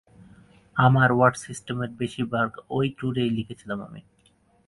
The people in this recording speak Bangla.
আমার ওয়ার্ড সিস্টেমের বেশিরভাগ ঐ ট্যুরেই লিখেছিলাম আমি।